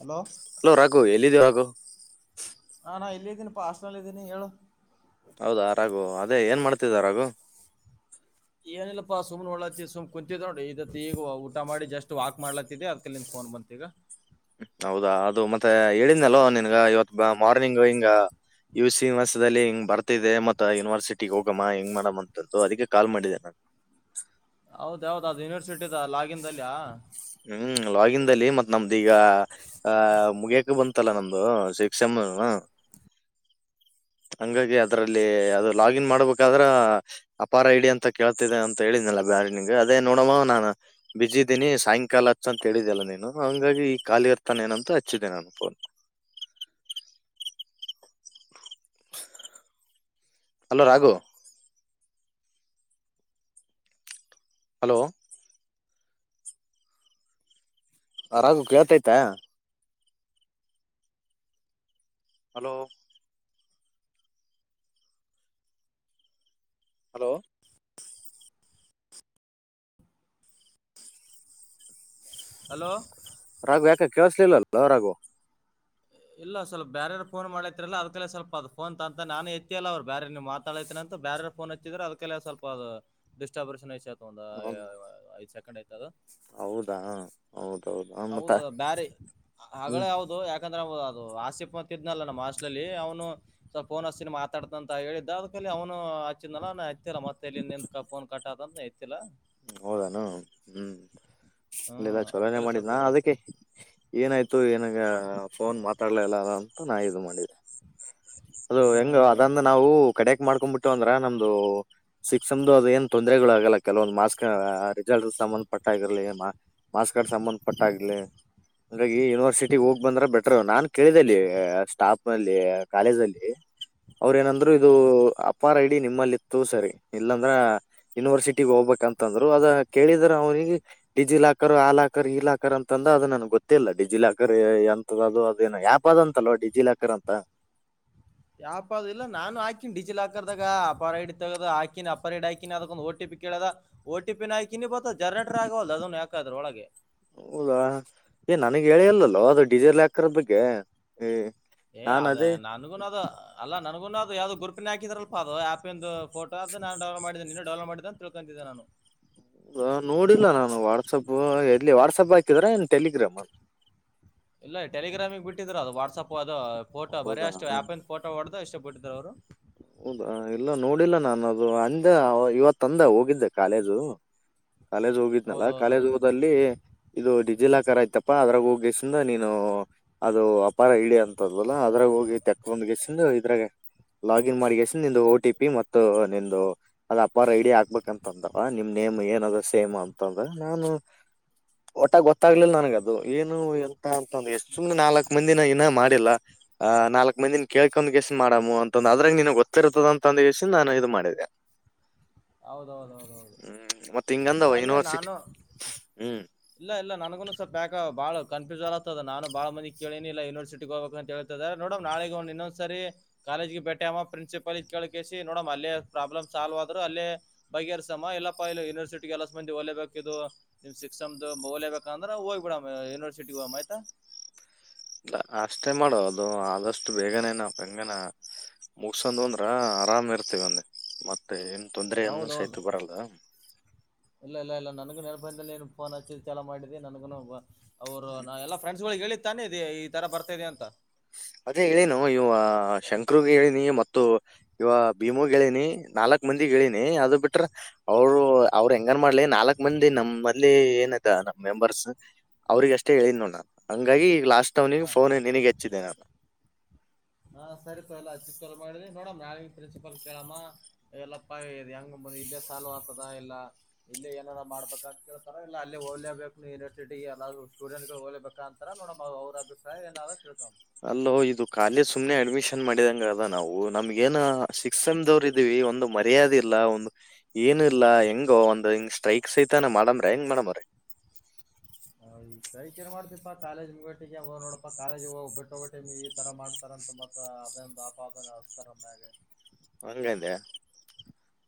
hello hello Raghu ಎಲ್ಲಿದ್ದೀವು ರಾಗು ಅ ದಿನ ಪಸ್ನೆ ದಿನ ಹೇಳಏಳು [inaudible] ಹೌದ ಆರಾಗುವ ಅದೇ ಏನ್ ಮಾಡ್ ಕೆದಾರಾಗ ಏನಿಲ್ಲಪ್ಪಾ ಸುಮನೆ ಒಳ್ಳತ್ತತಿ ಸುಮ್ ಕುಂತಿದ್ ನೋಡಡಿ ಇದತ್ತು ಈಗ ಊಟ ಮಾಡಿ ಜಸ್ಟ್ ವಾಕ್ ಮಾಡ್ಲತ್ತಿದಿ ಅದ್ಲ್ಲಿಂದ ಫೋನ್ ಬಂತತ್ ಈಗ ಹೌದಾ ಅದು ಮತ್ತೆ ಹೇಳಿದಲೋ ನಿನ್ಗ ಇವತ್ ಮಾರ್ನಿಂಗ್ ಹಿಂಗ ಯು ಸಿ ಮಾಸದಲ್ಲಿ ಹಿಂಗ್ ಬರ್ತಿದ್ದೆ ಮತ್ತ ಯೂನಿವರ್ಸಿಟಿ ಹೋಗಮ್ಮ ಹೆಂಗ ಮಾಡಮ್ಮ ಅಂತ್ದು ಅದಕ್ಕೆ ಕಾಲ್ ಮಾಡಿದ್ದೆ ನು ಹೌದ ಹೌದ್ ಅದು ಯೂನಿವರ್ಸಿಟಿ ಇದ ಲಾಗಿನ್ಲ್ಲಿಯಾ ಹ್ಮ್ ಲಾಗಿನ್ಲ್ಲಿ ಮತ್ತ್ ನಮ್ದ ಈಗ ಆ ಮುಗಿಯಕ ಬಂತಲ್ಲ ನಮ್ದು ಶಿಕ್ಷಮ ಹಂಗಾಗಿ ಅದ್ರಲ್ಲಿ ಅದು ಲಾಗಿನ್ ಮಾಡ್ಬೇಕಾದ್ರ ಅಪಾರ ಐ ಡಿ ಅಂತ ಕೇಳ್ತಿದ್ದೇ ಅಂತ ಹೇಳಿದನಲ್ಲ ಬ್ಯಾರಿ ನಿನ್ಗೆ ಅದೇ ನೋಡಮ್ಮ ನಾನನ್ ಬಜ ಇದಿದ್ದೀನಿ ಸಾಯಂಕಾಲ ಹಚ್ಚ ಅಂತ ಹೇಳಿದ್ದಲ್ಲ ನೀನು ಹಂಗಾಗಿ ಈ ಕಾಲಿ ಇರ್ತಾನೇನಂತ ಹಚ್ಚಿದೆೆ ನಾನು ಫೋನ್ ಹಲೋ ರಘು ಹಲೋ ರಾಗ ಕೇತ ಆಯ್ತಾ ಹಲೋ ಹಲೋ ಹಲೋ ರಾಘು ಯಾಕ ಕೇಳಸಲಿಲ್ಲಲ್ಲ ರಘು ಇಲ್ಲ ಸ್ವಲ್ಪ ಬೇಯಾರ ಫೋನ್ ಮಾಡೈತಿಲ್ಲ ಅದಕೇ ಸ್ವಲ್ಪ ಅ ಫೋನ್ ತಂತ ನಾನೇ ಎತ್ತಿ ಅಲ್ಲ ಅವ್ ಬೇರೆರ ನೀವು ಮಾತಾತನ ಅಂತ ಬೇಾರ ಫೋನ್ ಹಚ್ಚಿದ್ರೆ ಅದಕೇ ಸ್ವಲ್ಪ ಅ ದುಸ್ಟಬೇಷನ್ತ್ ಚ ಕಂಡಯ್ತದು ಹೌದಾ ಹೌದು ಹೌದೌದ ಬ್ಯಾರಿ ಹಗಳ ಹ್ಮ್ ಯಾವದು ಯಾ ಯಾಕಂದ್ರಬಹದು ಅದು ಆಸಿಪ ಅಂತ ಇದ್ನಲ್ಲ ನಮ್ಮ್ಸ್ಟ್ಲ್ಲಿ ಅವನು ಸ್ಫೋನ್ ಹಸಿನ ಮಾತಾಡತ ಅಂತ ಹೇಳಿದ್ದ ಅದಕಲ್ಲಿ ಅವನು ಹಚ್ಚಿದನಲ್ಲ ಅತ್ತಲ್ಲ ಮತ್ತೆ ನಿ ಫೋನ್ ಕಟ್ಟದ ಹೌದಾನ ಹ್ಮ್ ಹ್ಮ್ ಇಲ್ಲಲ್ಲ ಚಲನೆೆ ಅದಕಲ್ಲಿ ಮಾಡಿದ್ದ ಸ್ವಲ್ಪ ನಾ ಇದಾಯ್ತದ ಅದಕ್ಕೆ ಏನಾಯ್ತು ಏನಾಗ ಫೋನ್ ಮಾತಾಡ್ಲ ಇಲ್ಲ ಅಂತ ನಾ ಇದು ಮಾಡಿದೆೆ ಅದು ಹೆಂಗು ಹ್ಮ್ ಅದನ್ನು ನಾವು ಕಡ್ಯಾಕ್ ಮಾಡ್ಕೊಂಡ್ ಬಿಟ್ ಇ ಅಂದ್ರ ನಮ್ದು ಸಿಕ್ಸಸೆಮ್ ಅದು ಏನ್ ತೊಂದ್ರರೆಗಳು ಆಗಲ್ಲ ಕೆಲವೊಂದು ಮಾಸ್ಕ್ ರಿಸಲ್ಟ್ ಸಂಬಂಧ ಪಟ್ಟ ಆಗಿರ್ಲಿ ಮಾಸ್ಕ್ ಕ ಸಂಬಂಧ ಪಟ್ಟ ಆಗಿರ್ಲಿ ಹಾಗಾಗಿ ಯೂನಿವರ್ಸಿಟಿ ಹೋಗ್ ಬಂದ್ರೆ ಬೆಟರ್ ನಾನನ್ ಕೇಳಿದೆಲ್ಲಿ ಸ್ಟಾಫ್ ನಲ್ಲಿ ಕಾಲೇಜ್ನಲ್ಲಿ ಹೇ ಅವ್ರ ಏನಂದ್ರು ಇದು ಹ್ಮ್ ಆಫ ಆರ್ ಐ ಡಿ ನಿಮ್ಮಲ್ಲಿ ಇತ್ತು ಸರಿ ಇಲ್ಲಾಂದ್ರ ಯುನಿವರ್ಸಿಟಿ ಹೋಗ್ಬೇಕ ಅಂತಂದ್ರು ಅದ ಕೇಳಿದ್ರ ಅವನಿಗೆ ಡಿಜಿ ಲಾಕರ್ ಆ ಲಾಕರ್ ಈ ಲಾಕರ್ ಅಂತಂದ ಅದು ನನ್ಗೆ ಗೊತ್ತಿಲ್ಲ ಡಿಜಿ ಲಾಕರ್ ಅಂತ ಅದು ಅದೇನ ಆ್ಯಪ್ ಅದಂತಲ್ವ ಡಿಜಿ ಲಾಕರ್ ಅಂತ ಯಾಪ ಅದು ಇಲ್ಲ ನಾನು ಹಾಕಿನಿ ಡಿಜಿ ಲಾಕರ್ದಾಗ ಅಪಾರ ಹೈಡ್ ತಗದ ಹಾಕಿನಿ ಅಪರೈರ್ಡ್ ಹಾಕಿನಿ ಅದಕ್ಕ ಒಂದು ಟಿ ಪಿ ಕೇಳದ ಟಿ ಪಿ ನ ಹಾಕಿನಿ ಬತ್ತ ಜನರೇಟರ್ ಆಗವಲ್ಲ ಅದನ್ ಯಾಕದ್ರ ಒಳಗೆ ಹೌದಾ ಏ ನನಗೆ ಹೇಳಿಯಲ್ಲಲ್ಲೋ ಅದು ಡಿಜಿ ಲಾಕರ್ದ ಬಗ್ಗೆ ಏ ಅದೇ ನನ್ಗುನ ಅದು ಅಲ್ಲ ನನ್ಗುನ ಅದು ಅ ಯಾವ್ದ ಗೂಪಿನ ಹಾಕಿದಲ್ಅ ಆಪ್ ಇ ಫೋಟೋ ನ ಡೌನ್ಲೋಡ್ ಮಾಡೇನೆ ನಿನ್ನ ಡೌನ್ಲೋಡ್ ಮಾಡಿದೆ ಅಂತ ತಿಳ್ಕೊತಿದ್ದೆ ನಾನು ನೋಡಿಲ್ಲ ನಾನು ವಾಟ್ಸಪ್ ಎಲ್ಲಿ ವಾಟ್ಸಪ್ ಹಾಕಿದ್ರ ಟೆಲಿಗ್ರಾಮ್ ಇಲ್ಲ ಟೆಲಿಗ್ರಾಮಿಗೆ ಬಿಟ್ಟಿದ್ರ ಅದು ವಾಟ್ಸಆಪ್ ಅದು ದು ಫೋಟ್ ಬರಿ ಹೌದಾ ಅಷ್ಟು ಹ್ಯಾಪ್ ಇನ್ನು ಫೋಟೋ ಹೊಡದು ಅಷ್ಟು ಬಿಟ್ಟು ಯವರು ಹೌದಾ ಇಲ್ಲ ನೋಡಿಲ್ಲ ನಾನು ಅದು ಅಂದ ಇವತ್ತು ಅಂದ ಹೋಗಿದ್ದೆ ಕಾಲೇಜುಗೆ ಕಾಲೇಜ್ ಹೋಗಿದ್ನಲ್ಲಾ ಕಾಲೇಜ್ ಹೌದೌದೌದು ಹೋಲ್ಲಿ ಇದು ಡಿಜಿ ಲಾಕರ್ ಆಯ್ತಪ್ಪಾ ಅ ಹೋಗು ಹೋಗು ಸುಮ್ನೆ ನೀನು ಅದು ಅಪಾಯ ಇಲ್ಲ ಅಂತದಲ್ಲ ಅದ್ರಾಗ ಹೋಗಿ ತೆಕ್ಕ್ ನಂಗೆ ಸುಮ್ನೆ ಇದ್ರಂಗೆ ಲಾಲು ಏನು ಮಾಡದೆ ಸುಮ್ನೆಒಂದು ಒಟಿಪಿ ಮತ್ತೆ ನಮ್ಮದು ಅಪ್ಪ ರ ಐಡಿ ಆಗ್ಬೇಕು ಅಂತಂದವ ನಿಮ್ ನೇಮ್ ಏನ ಅದ ಸೇಮ್ ಅಂತಂದ್ರ ನಾನು ಒಟಾಗ ಗೊತ್ತಾಗ್ಲಿಲ್ಲ ನನಗ ಅದು ಏನು ಎಂತ ಅಂತಂದ್ರ ಎಷ್ಟ ಸುಮ್ನೆ ನಾಲ್ ಮಂದಿನ ಏನ ಮಾಡಿಲ್ಲ ನಾಲ್ಕ್ ಮಂದಿನ ಕೇಳ್ಕೊಂಡ ವಿಶ್ ಮಾಡಮೂ ಅಂತ ಅದ್ರಾಗ ನಿನ್ಗ್ ಗೊತ್ತಿರ್ತ್ತತದ ಅಂತ ಅಂದುಸ ನಾನು ಇದು ಮಾಡಿದೆ ಹೌದೌದೌದೌದು ಹ್ಮ್ ಮತ್ ಇಲ್ಲ ಹಿಂಗಂದವ ಅದೇ ಯೂನಿವರ್ಸಿಟಿ ನಾನು ಹ್ಮ್ ಇಲ್ಲ ಇಲ್ಲ ನನ್ಗುನು ಸ್ವಲ್ಪ ಬಾಗ ಬಾಳ ಕನ್ಫ್ಯೂಸ್ ಆತ್ತತದ ನಾನು ಬಾಳ ಮಂದಿ ಕೇಳಿನಿಲ್ಲ ಯನಿವರ್ಸಟಿಗೆ ಹೋಗಬೇಕ ಅಂತ ಹೇಳದ ನೋಡ ನಳದಿನ ಇನ್ನೊಂದಸರಿ ಕಾಲೇಜ್ ಗೆ ಬೇೆಟಿಆಗಿ ಪ್ರಿನ್ಸಿಪಲ್ ಕೇಳ್ ಕಿಸಿ ನೋಡ್ನ ಅಲ್ಲಿ ಪ್ರಾಬ್ಲ್ ಸಾಲ್ವ್ ಆದ ಹ್ಮ ಅಲ್ಲೇ ಬಗೆಹರ್ಸಮ್ಮ ಇಲ್ಲಪ್ಪಾ ಇ ಯೂನಿವರ್ಸಿಟಿ ಎಲ್ಲ ಮಂದಿ ಓಲೇಹಾಕದು ಸಿಕ್ಸ್ ಸೆಂ ಓಲೆಗತ ಅಂದ್ರೆ ಹೋಗ್ಬ ಬಿಡೊದು ಯೂನಿವರ್ಸಿಟಿ ಮತ್ತ ಇಲ್ಲ ಅಷ್ಟೇ ಮಾಡುವ ಅದು ಆದಷ್ಟು ಬೇಗನೆೇನ ಪೆಂಗನ ಮುಗಸೊಂಡ್ ಅಂದ್ರ ಆರಾಮ ಇರ್ತೇವ ಅಂದ ಮತ್ತೆ ನ್ ತೊಂದರೆಯನ್ನು ಹೌದೌದು ಸಹಿತ ಬರಲ್ಲ ಇಲ್ಲ ಇಲ್ಲ ಇಲ್ಲ ನನಗು ನೆನಪದಲ್ಲಿ ನೀನು ಫೋನ್ ಹಚ್ಚಿ ಚಲ ಮಾಡಿದ್ದಿ ನನಗುೂ ಅವರು ನಾವು ಎಲ್ಲ ಫ್ರೆಂಡ್ಸ್ ಗಳಿಗೆ ಹೇಳಿ ತಾನೇ ಇದೆ ಈ ತರ ಬರ್ತಾದೆ ಅಂತ ಅದೇ ಹೇಳನು ಇವ ಶಂಕರುಗ್ ಹೇಳಿನಿ ಮತ್ತು ಇವ ಭೀಮ ಹೇಳಿನಿ ನಾಲ್ಕ್ ಮಂದಿ ಹೇಳಿನಿ ಅದು ಬಿಟ್ರ ಅವರು ಅವ್ರರು ಹೆಂಗನ್ ಮಾಡ್ಲಿ ನಾಲ್ಕ್ ಮಂದಿ ನಮಲ್ಲಿ ಏನಯತ ನಮ್ ಮೆಂಬರ್ಸ್ ಅವ್ರಗ ಅಷ್ಟೇ ಹೇಳಿದ್ನಲ್ಲ ಹಂಗಾಗಿ ಈ ಲಾಸ್ಟ್ ತಿಂಗಳಿ ಹಾ ಫೋನ್ ನಿನಗೆ ಹೆಚ್ಚಿದ್ದೆ ನಾನು ಹಾ ಸರಿ ಪ ಎಲ್ಲಿ ಹಚ್ಚಿತೆರಿ ಮಾಡಿವಿ ನೋಡಮ ನಾ ಪ್ರಿನ್ಸಿಪಾಲ್ ಕೇಳಮ್ಮ ಎಲ್ಲಪ್ಪ ಹೆಂಗ ಇಲ್ಲೇ ಸಾಲವ ಆಗ್ತದ ಇಲ್ಲ ಇಲ್ಲೇ ಏನಾದ ಮಾಡ್ಬೇಕ ಅಂತ ಕೇಳ್ತಾರ ಇಲ್ಲ ಅಲ್ಲೇ ಹೋಗ್ಲೇಬೇಕು ಯೂನಿವರ್ಸಿಟಿ ಎಲ್ಲಾದ್ರು ಸ್ಟೂಡೆಂಟ್ ಗಳು ಹೋಗ್ಬೇಕ ಅಂತಾರ ನೋಡ ಅವ್ರ ಅಭಿಪ್ರಾಯ ಏನಾದ ತಿಳ್ಕಮ್ಮ ಅಲ್ಲೋ ಇದು ಕಾಲೇಜ್ ಸುಮ್ನೆ ಅಡ್ಮಿಶನ್ ಮಾಡಿದಂಗ ಅದ ನಾವು ನಮ್ಗ ಏನ ಸಿಕ್ಸ್ ಸೆಮ್ಡ್ ಇದೀವಿ ಒಂದು ಮರ್ಯಾದೆ ಇಲ್ಲಾ ಒಂದು ಏನ ಇಲ್ಲಾ ಹೆಂಗೋ ಒಂದ್ ಹಿಂಗ್ ಸ್ಟ್ರೈಕ್ ಸಹಿತನ ಮಾಡಮ್ರ ಹೆಂಗ್ ಮಾಡಮ್ರ ಈ ಸ್ಟ್ರೈಕ್ ಏನ್ ಮಾಡ್ತಿಪಾ ಕಾಲೇಜ್ ಮುಗಟ್ಟಿಗೆ ನೋಡಪಾ ಕಾಲೇಜ್ ಹೋಗ್ ಬಿಟ್ಟೋಗಟ ಈ ತರ ಮಾಡ್ತಾರಂತ ಮತ್ತ ಅದೊಂದು ಆಪಾದ ಹಚ್ತರಾಮ್ಯಾಲೆ ಹೋಗು ಅಂದ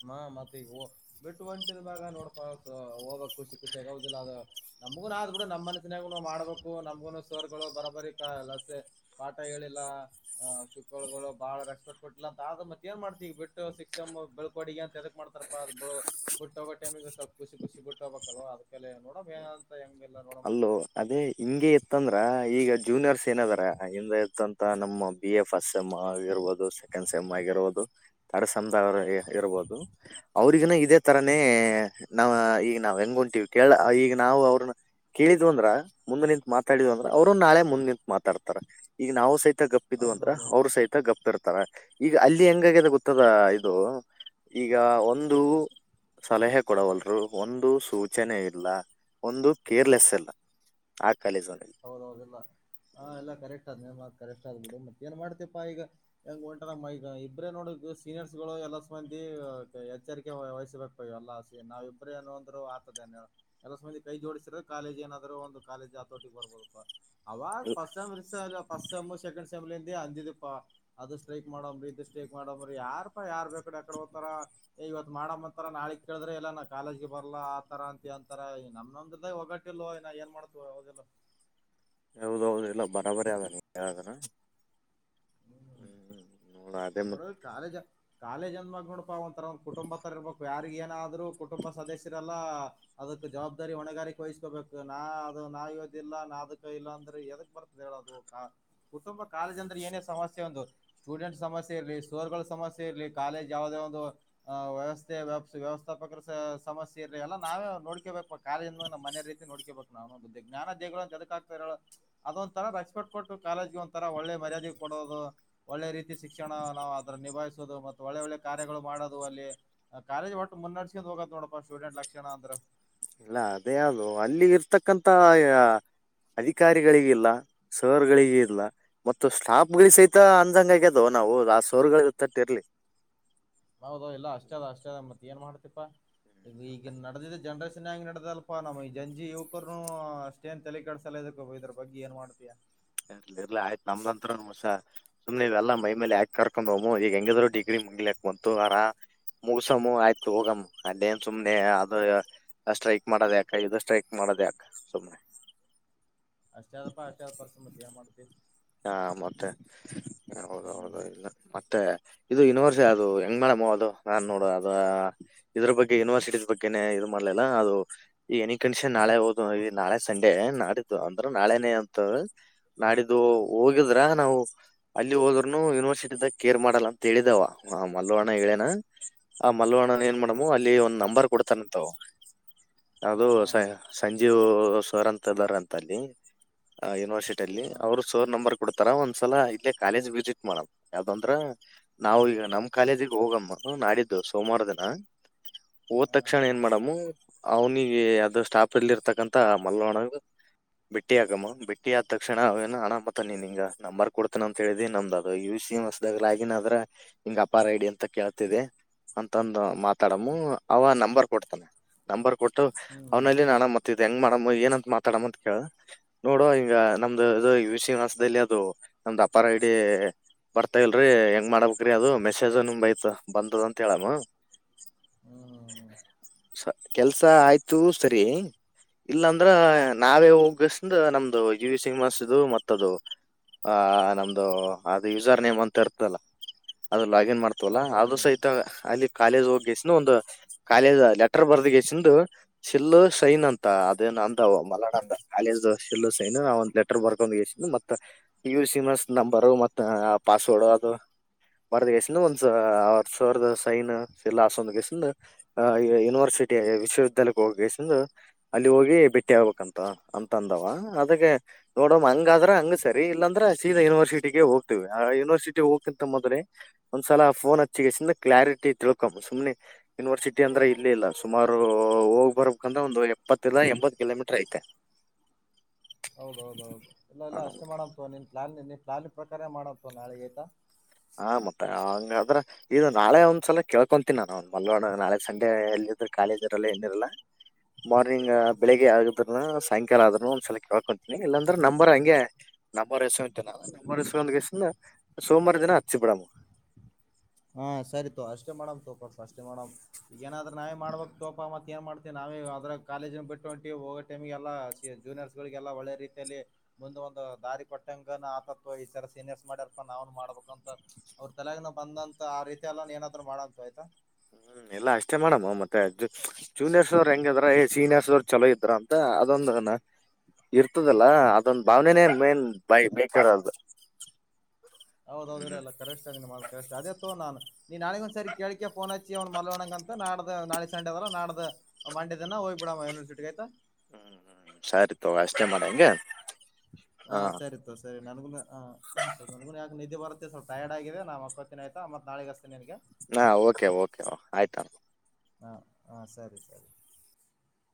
ಹ್ಮ ಮತ್ತ ಈಗ ಬಿಟ್ಟು ಹೊಂಟಿದವಾಗ ನೋಡ್ಕ ಹೋಗ್ಬೇಕು ಶಿಕುಸೆಗುದಿಲ್ಲ ಅದು ನಮ್ಗುನು ಆದ್ ಬಿಡ ನಮ್ ಮನ್ಸಿನಾಗು ಮಾಡ್ಬೇಕು ನಮ್ಗುನು ಸರ್ ರ್ಗಳು ಬರೋಬರಿ ಲಸೆ ಪಾಠ ಹೇಳಿಲ್ಲ ಅ ಚಿಕ್ಕಳ್ಗಳು ಬಾಳ ರೆಸ್ಪೆಕ್ಟ್ ಕೊಟ್ಟಿಲ್ಲ ಅಂತ ಆದ ಮತ್ತ ಏನ್ ಮಾಡ್ತಿ ಈಗ ಬಿಟ್ಟು ಹೋಸಿ ಬಿಳಳ್ಕೋಡಿಗೆ ಅಂತ ಎದಕ್ ಮಾಡ್ತಾರಪ್ಪ ಅ ಬಿಟ್ಟೋಗೋ ಟೈಮಿಗೆ ಸ್ವಲ್ಪಖುಷಿ ಖುಷಿುಟ್ಟೋಗಬೇಕಲ್ವ ಅದಕ್ಕೆ ನೋಡ ಅಲ್ಲೂ ಅದೇ ಹಿಂಗೆ ಇತ್ತಂದ್ರ ಈಗ ಜೂನಿಯರ್ಸ್ ಏನದಾರ ಹಿಂದೆ ಇತಂತ ನಮ್ಮ ಬಿ ಎ ಫಸ್ಟ್ ಸೆಮ್ ಆಗಿರ್ಬೋದು ಸೆಕೆಂಡ್ ಸೆಮ್ ಆಗಿರ್ಬೋದು ಥರ್ಡ್ ಸೆಮ್ ದವ್ರ ಇರ್ಬೋದು ಅವ್ರಿಗನ ಇದೇ ತರಾನೇ ನಾವ್ ಈಗ ನಾವ್ ಹೆಂಗ ಹೊಂತೀವಿ ಕೇಳ ಈಗ ನಾವು ಅವ್ರನ್ನ ಕೇಳಿದ್ ಅಂದ್ರ ಮುಂದ್ ನಿಂತ್ ಮಾತಾಡಿದ್ ಅಂದ್ರೆ ಅವರು ನಾಳೆ ಮುಂದ್ ನಿಂತ್ ಮಾತಾಡ್ತಾರೆ ಈಗ ನಾವು ಸಹಿತ ಗಪ್ಪಿದು ಅಂದ್ರ ಹೌದೌದೌದು ಅವ್ರರು ಸಹಿತ ಗಪ್ ಇರ್ತಾರೆ ಈಗ ಅಲ್ಲಿ ಹೆಂಗಿದೆ ಗೊತ್ತದ ಇದು ಈಗ ಒಂದು ಸಲಹೆ ಕೊಡವಲ್ರು ಒಂದು ಸೂಚನೆ ಇಲ್ಲ ಒಂದು ಕೇರ್ಲೆಸ್ ಎಲ್ಲ ಆ ಕಾಲೇಜ್ ಹೌದೌದುಲ್ಲ ಹ ಎಲ್ಲ ಕರೆಕ್ಟ್ ಆದ ಕರೆಕ್ಟ್ ಆದ್ ಬಿಡು ಮತ್ತ ಏನ್ ಮಾಡ್ತಿಪಾ ಈಗ ಹೆಂಗ್ ಉಂಟ ನ ಈಗ ಇಬ್ರೇ ನೋಡ ಸೀನಿಯರ್ಸ್ ಗಳು ಎಲ್ಲ ಮಂದಿ ಎಚ್ಚರಿಕೆ ವಹಿಸ್ಬೇಕ ಇ ಎಲ್ಲ ನಾವ ಇಬ್ರೇ ಏನ ಅಂದ್ರು ಆತದೆ ಎಲ್ಲಬಂದಿ ಕೈ ಜೋಡಿಸರೆ ಕಾಲೇಜ್ ಏನಾದ್ರು ಒಂದು ಕಾಲೇಜ್ ಆತ ಅಡಿ ಬರ್ಬೋದುಪ್ಪ ಅವ ಹ್ಮ್ ಪಸ್ಸ ಮ ಪಸ್ಸೇಮು ಸೆಕಂಡ್ ಅಸೆಂಬ್ಲಿಂದ ಅಂದಿದಿಪ್ಪಾ ಅದು ಸ್ಟ್ರೈಕ್ ಮಾಡಮ್ರಿ ಇದು ಸ್ಟ್ರೈಕ್ ಮಾಡಮ್ರಿ ಯಾರಪ್ಪಾ ಯಾರ ಬೇಕ ಅಕಡೆ ಹದ್ತಾರ ಏ ಇವತ್ ಮಾಡ್ಂತಾರ ನಾಳಿಗ್ ಕೇಳಿದ್ರೆ ಎಲ್ಲ ನಾ ಕಾಲೇಜಗೆ ಬರ್ಲ ಆತರ ಅಂತ ಅಂತಾರೆ ನಮ್ಮೊಂದ ಒಗಟ್ಟಲ್ ಏನ್ ಮಾಡ್ತದ ಹೌದೌದು ಎಲ್ಲ ಬರಾಬರಿ ಆದಾನ ಹ್ಮ್ ಹ್ಮ ಇನ್ನೋಡ ಕಾಲೇಜಾ ಕಾಲೇಜ್ಂದ್ ಮಾಗ ನೋಡಪಾವಂತ ಕುಟುಂಬ ತ ಇರಬೇಕು ಯಾರಿಗೆ ಆದ್ರೂ ಕುಟುಂಬ ಸದಸ್ಯರೆಲ್ಲ ಅದಕ್ ಜವಾಬ್ದಾರಿ ಹೊಣೆಗಾರಿಕೆ ವಹಿಸ್ಕೋಬೇಕು ನಾ ಅದು ನಾವದಿಲ್ಲ ನಾ ಅದಕ್ಕ ಇಲ್ಲ ಅಂದ್ರೆ ಎದಕ್ ಬರ್ತದೆ ಹೇಳದು ಕುಟುಂಬ ಕಾಲೇಜ್ ಅಂದ್ರೆ ಏನೇ ಸಮಸ್ಯೆ ಒಂದು ಸ್ಟೂಡೆಂಟ್ ಸಮಸ್ಯೆ ೆ ಇರಲಿ ಸೋರ್ಗಳ ಸಮಸ್ಯೆ ಇರ್ಲಿ ಕಾಲೇಜ್ ಯಾವವುದೇ ಒಂದು್ ವ್ಯವಸ್ಥೆ ವ್ಯವಥಪಕರ ಸಮಸ್ಯೆ ಇರಲಿ ಎಲ್ಲ ನಾವೇ ನೋಡ್ಕೇಬೇಕು ಕಾಲೇಜ ನ ಮನೆ ರೀತಿ ನೋಡ್ಕೇಬೇಕು ನಾವ ಜ್ಞಾನ ದೇದಕ್ ಆಕ್ತರ ಅದೊಂಂತರ ರೆಸ್ಪೆಟ್ ಕೊಟ್ಟು ಕಾಲೇಜ್ಗೆ ಒರ ಒಳ್ಳೆ ಮರ್ಯಾದೆ ಕೊಡೋದು ಒಳ್ಳೆ ರೀತಿ ಸಿ ಶಿಕ್ಷಣ ನಾವವು ಅದ್ರ ನಿಭಾಯಿಸುದು ಮತ್ತೆ ಒಳ್ಳೆ ಒಳ್ಳೆ ಕಾರ್ಯಗಳು ಮಾಡೋುದು ಅಲ್ಲಿ ಕಾಲೇಜ್ ಒಟ್ಟು ಮುನ್ನಡ್ಸ್ ಹೋಗದ ನೋಡಪ್ಪ ಸ್ಟೂಡೆಂಟ್ ಲಕ್ಷಣ ಅಂದ್ರ ಇಲ್ಲ ಅದೇ ಅದು ಅಲ್ಲಿ ಇರ್ತಕ್ಕಂತ ಅಧಿಕಾರಿಗಳಿಗ ಇಲ್ಲ ಸರ್ ಗಳಿಿಗೆ ಇಲ್ಲ ಮತ್ತು ಸ್ಟಾಫ್ ಗಳ ಸಹಿತ ಅಂದಂಗ ಆಗ್ಯದವು ನಾವು ಆ ಸೋರ್ಗಳ ತಟ್ಟಿರ್ಲಿ ಹೌದು ಎಲ್ಲ ಅಷ್ಟ ಇರ್ಲಿ ಅಷ್ಟ ಅದ ಮತ್ತತ್ ಏನ್ ಮಾಡ್ತ ಇಪ್ಪ ಈಗ ನದಿದ್ದ ಜನರೇಶನ್ ನ್ಯ್ ನಡ್ದದಲ್ಪಾ ನಮ್ ಈ ಜಂಜಿ ಯುವಕರನು ಅಷ್ಟೇನ್ ತಲೆ ಕಡಸಲ್ಲ ಇದ ಇದ್ರ ಬಗ್ಗೆ ಏನ್ ಮಾಡ್ತಿಯಾ ಇರ್ಲಿ ಇರ್ಲಿ ಆಯ್ತು ನಮ್ದಂತ್ರ ಹೊಸ ಸುಮ್ನೆ ಇವೆಲ್ಲಾ ಮೈ ಮೇಲೆ ಯಾಕ ಕರ್ಕೊಂಡ್ಮ್ಮ ಈಗ ಹೆಂಗಿದ್ರು ಡಿಗ್ರಿ ಮುಂಗ್ಲಾಕ್ ಬಂತು ಆರ ಮುಗಸಮ್ಮ ಆಯ್ತು ಹೋಗಮ್ಮ ಅಲ್ಲೇನ್ ಸುಮ್ನೆ ಅದ ಸ್ಟ್ರೈಕ್ ಮಾಡದ ಯಕ ಇ ಸ್ಟ್ರೈಕ್ ಮಾಡೋದ ಅಕ ಸುಮ್ನೆ ಅಷ್ಟ ಆದದಪ್ಪ ಅಷ್ಟ ಆದ ಪರ್ಸ ಮತಿ ಏನ್ ಮಾಡ್ತಿ ಹಾ ಮತ್ತೆ ಹೌದು ಹ್ಮ್ ಹೌದು ಇನ್ನು ಮತ್ತೆ ಇದು ಯನಿವರ್ಸಿಟ ಅದು ಹೆಂಗ್ ಮಾಡಮ್ಮ ಅದು ನಾನ್ ನೋಡು ಅದ ಇದ್ರ ಬಗ್ಗೆ ಯೂನಿವರ್ಸಿಟಿ ಬಗ್ಗೆ ಇದು ಮಾಡ್ಲಿಲ್ಲ ಅದು ಈ ಎನಿ ಕಂಡೀಷನ್ ನಾಳೆ ಹಓದು ನಾಳೆ ಸಂಡೇ ನಾಡಿದ್ದು ಅಂದ್ರೆ ನಾಳೆೇ ಅಂತ ನಾಡಿದ್ದು ಹೋಗಿದ್ರ ನಾವು ಅಲ್ಲಿ ಹೋದ್ರನು ಯೂನಿವರ್ಸಿಟಿದಾಗ ಕೇರ್ ಮಾಡಲ್ಲ ಅಂತ ಹೇಳಿದಾವ ಆ ಮಲ್ಲವಣ್ಣ ಹೇಳೇನ ಆ ಮಲ್ವಣ್ಣ ಏನ್ ಹೌದೌದು ಮಾಡಡಮ್ ಅಲ್ಲಿ ಒಂದ್ ನಂಬರ್ ಕೊಡ್ತಾನಂತವು ಹಾ ಅದು ಹಾ ಸಂಜೆ ಸೋರ್ಂತರ್ ಅಂತ ಅಲ್ಲಿ ಯೂನಿವರ್ಸಿಟಿ ಹಾ ಅವರು ನಂಬರ್ ಕೊಡ್ತಾರ ಒಂದ್ಸಲ ಇಲ್ಲೇ ಕಾಲೇಜ್ ವಿಸಿಟ್ ಮಾಡಲ್ ಯಾವ್ದಂದ್ರ ನಾವು ಹಾ ಈಗ ನಮ್ಮ್ ಕಾಲದ ಹೋಗಮ್ಮ ನಾಡಿದ್ದು ಸೋಮವಾರ ದಿನ ಹಓದ ಹಾ ತಕ್ಷಣ ಏನ್ ಮಾಡಡಮ್ಮ ಅವ್ನಿಗೆ ಅದು ಸ್ಟಾಪ್ಲ್ಲಿ ಇರತಕ್ಕಂತ ಮಲ್ಲ ಒಣ ಬೆಟ್ಟಿ ಹಾಕಮ್ಮ ಬೆಟ್ಟಿ ಆದ ಆದ ತಕ್ಷಣ ಅವೇನು ಆಾಮ ಮತ್ತ ನೀನ್ ಹಿಂಗ ನಂಬರ್ ಕೊಡ್ತಾನ ಅಂತ ಹೇಳಿದಿ ನಮ್ದ ಅದು ಯು ಸಿ ಎಂಸದಾಗ ಆಗನದ್ರ ಹಿಂಗ ಅಪಾರ ಐಡಿ ಅಂತ ಕೇಳ್ತಿದೆ ಅಂತಂದ ಮಾತಾಡಮ್ಮ ಅವ ನಂಬರ್ ಕೊಡ್ತಾನ ನಂಬರ್ ಕೊಟ್ಟು ಹ್ಮ್ ಅವ್ನಲ್ಲಿ ನಾನ ಮತ್ತಿದ ಹೆಂಗ್ ಮಾಡಮ್ಮ ಏನಂತ ಮಾತಾಡ ಅಂತ ಕೇಳ ನೋಡು ಹಂಗ ನಮ್ದು ಇದು ಿವಾಸದಲ್ಲಿ ಅದು ನಮ್ದ ಅಪಾರ ಐಡಿ ಬರ್ತಾ ಇಲ್ರರಿ ಹೆಂಗ್ ಮಾಡ್ಬೇಕ್ರಿ ಅದು ಮೆಸೇಜ್ ನಿಮ ಐತ ಬಂದದ ಅಂತ ಹೇಳಮ್ಮ ಹ್ಮ್ ಹ್ಮ್ ಕೆಲ್ಸ ಆಯ್ತು ಸರಿ ಇಲ್ಲಾಂದ್ರ ನಾವೇ ಹೋಗಸಂದ ನಮ್ದು ಜಿವ ಸಿಂಹಸದು ಮತ್ತ ಆ ನಮ್ದ ಅದು ಯಸರ್ ನೇಮ್ ಅಂತ ಇತಲ್ಲ ಲಾಗಿನ್ ಮಾಡ್ತವಲ್ಲ ಆದ್ರೂ ಹೌದೌದೌದು ಸಹಿತ ಅಲ್ಲಿ ಕಾಲೇಜ್ ಹೋಗಿ ಎಸನ್ ಒಂದು ಕಾಲೇಜ್ ಲೆಟರ್ ಬರ್ದ ಎಸ ಶಿಲ್ಲು ಸೈನ್ ಅಂತ ಅದೇನ್ ಅಂದ ಮಲಡ ಅಂದ ಕಾಲೇಜ್ ಶಿಲ್ಲು ಸೈನ್ ಒಂದ್ ಲೆಟರ್ ಬರ್ಕೊಂಡ್ ಮ ಯ ಸಿಮ ನಂಬರ್ ಮತ್ತ ಪಾಸ್ವರ್ಡ್ ಅದು ಬರದ ಗೈಸ ಒಂದ ಅವ ಸರದ ಸೈನ್ ಎಲ್ಲ ಹಸಂದ ಗಸ ಯೂನಿವರ್ಸಿಟಿ ವಿಶ್ವವಿದ್ಯಾಲಯಕ್ಕೆ ಹೋಗಸ ಅಲ್ಲಿ ಹೋಗಿ ಭಟ್ಟಿ ಆಗ್ಬೇಕಂತ ಅಂತ ಅಂದವ ಅದಕ್ಕೆ ನೋಡ ಾದ್ರ ಹಂಗ ಸರಿ ಇಲ್ಲಾಂದ್ರೆ ಸೀದಾ ಯೂನಿವರ್ಸಿಟಿಿಗೆ ಹೋಗ್ತೇವಿ ಆ ಯನಿವರ್ಸಿಟಿ ಹೋಗಕ್ಕಿಂತ ಮೊದ್ರೆ ಒಂದ್ಸಲ ಫೋನ್ ಹಚ್ಚಿಿಗೆಸ ಕ್ಲಾರಿಟಿ ತಿಳ್ಕೊಂಬ ಸುಮ್ನೆ ಯನಿವರ್ಸಿಟಿ ಅಂದ್ರೆ ಇಲ್ಲಿ ಇಲ್ಲ ಸುಮಾರು ಹೋಗ್ ಬರ್ಬೇಕಂದ್ರ ಒಂದಂದು ಎಪ್ಪತ್ತಲ್ಲ ಎಂಬತ್ ಕಿಲೋಮೀಟರ್ ಐತೆ ಹೌದೌದೌದು ಇಲ್ಲ ಇಲ್ಲ ಹ ಅಷ್ಟ ಮಾಡಂತ ನೀನ್ ಪ್ಲಾನ್ ನಿನ್ನ ಾಲಿ ಪ್ರಕಾರ ಮಾಡತ್ತವ ನಾಳೆೆಗೆ ಆಯ್ತಾ ಹ ಮತ್ತ ಹಂಗದ್ರ ಇದು ನಾಳೆ ಒಂದ್ಸಲ ಕೇಳ್ಕೊಂತೀನಿ ನಾನು ಒ್ ಮಲ್ವಾಡ ನಾಳೆ ಸಂಡೆ ಎಲ್ಲಿದ್ರೆ ಕಾಲೇಜ್ ಇರಲ್ಲ ಏಿರಲ್ಲ ಮಾರ್ನಿಂಗ್ ಬೆಳಿಗ್ಗೆ ಆಗದ್ರ ಸಾಯಂಕಾಲ ಆದದ್ರೂ ಒಂದ್ಸಲ ಕೇಳ್ಕೊಂತೀನಿ ಇಲ್ಲಾಂದ್ರೆ ನಂಬರ್ ಹಂಗೆ ನಂಬರ್ ಎಸ್ಕೊಂತಿನಿ ನಂಬರ್ ಎಸ್ಕೊ್ಸ ಸೋಮವಾರ ದಿನ ಚ್ಚಿಪಡಾಮ ಮಾಡ ಹಾ ಸರಿತೋ ಅಷ್ಟೇ ಮೇಡಮ್ ತೋಪ ಅಷ್ಟೇ ಮೇಡಮ್ ಈಗಏನಾದ್ರ ನಾವೇ ಮಾಡ್ಬೇಕಕ್ ತೋಪಾ ಮತ್ತ ಏ ಮಾಡ್ತೀವಿ ನಾವೇ ಅದ್ರ ಕಾಲೇಜ್ನ ಬಿಟ್ಟು ಹೊಂಟ ಹೋಗೋ ಟೈಮಗೆಲ್ಲಾ ಜೂನಿಯರ್ಸ್ ಗಳಿಗೆ ಎಲ್ಲಾ ಒಳ್ಳೆ ರೀತಿಯಲ್ಲಿ ಮುಂದ ಒಂದು ದಾರಿ ಕೊಟ್ಟಂಗ ಆತತ್ ಈ ತರ ಸೀನಿಯರ್ಸ್ ಮಾಡ್ಯಾರಪ ನಾವನು ಮಾಡ್ಬೇಕಂತ ಅವ್ರ ತಲೆಗನ ಬಂದಂತ ಆ ರೀತಿ ಎಲ್ಲ ಏನಾದ್ರು ಮಾಡು ಆಯ್ತಾ ಹ್ಮ್ ಎಲ್ಲಾ ಅಷ್ಟೇ ಮಾಡೇಡಮ್ ಮತ್ತೆ ಜೂನಿಯರ್ಸ್ ಅವ್ರರು ಹೆಂಗಿದ್ರ ಸೀನಿಯರ್ಸ್ ಅವ್ರರು ಚಲೋ ಇದ್ರ ಅಂತ ಅದೊಂದ ಇರ್ತದಲ್ಲಾ ಅದೊಂದ ಭಾವನೆನೇನ್ ಮೇನ್ ಬೈ ಬೇಕಾರದು ಹೌದೌದು ಇರಲ್ಲ ಕಷ್ಟ್ ಇದ್ದಿ ಮಾಡ ಕ್ ಅದೇ ತತ್ತು ನಾನು ನೀನ್ ನಾಿಗ ಒಂದ್ ಸರಿ ಕೇಳಿಕಕ್ಕೆ ಫೋನ್ ಹಚ್ಚಿ ಅವ್ನ್ ಮಲ್ಣಂಗ ಅಂತ ನಾ್ದ ನಾೆ ಸಂಡೆದಲ್ಲ ನಡ್ದ ಮಂಡೆ ದಿನ ಹೋಗ್ಬ ಬಿಡಮ್ಮ ಯೂನಿವರ್ಸಿಟಿ ಆಯತಾ ಹ್ಮ್ ಹ್ಮ್ ಸರಿ ತೊಗ ಅಷ್ಟೇ ಮಾಡಗೆ ಹಾ ಸರಿತ ಸರಿ ನನಗು ನನಗು ಯಾಕ ನ ನಿಧಿ ಬತ್ತೆ ಸ್ವಲ್ ತಯರ್ಡ್ ಆಗಿದೆ ನಮ್ಮಕ್ಕ ಹತ್ತಿನ ಆಯ್ತಾತ್ ನಾಳೆಗಸ್ತೆ ನನ್ಗೆ ಹಾ ಓಕೆ ಓಕೆ ಆಯ್ತ ಹಾ ಹಾ ಸರಿ ಸರಿ